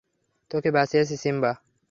তোকে বাঁচিয়েছি, সিম্বা!